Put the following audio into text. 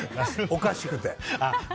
おかしくて。